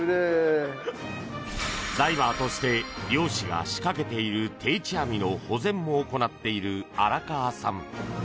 ダイバーとして漁師が仕掛けている定置網の保全も行っている荒川さん。